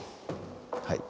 はい。